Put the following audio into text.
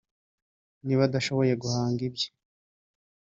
niba adashoboye guhanga ibye